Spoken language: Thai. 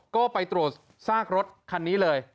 ก็ไปตรวจซากรถคันนี้เลย